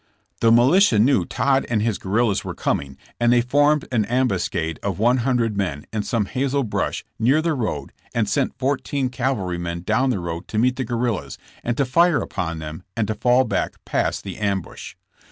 The militia knew Todd and his guerrillas were coming and they formed an ambuscade of one hundred men in some hazel brush near the road and sent fourteen cavalrymen down the road to meet the guerrillas, and to fire upon them and to fall back past the ambush.